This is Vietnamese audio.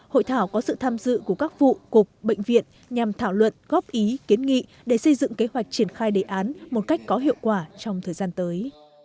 hội thảo có sự tham dự của các vụ cục bệnh viện nhằm thảo luận góp ý kiến nghị để xây dựng kế hoạch triển khai đề án một cách có hiệu quả trong thời gian tới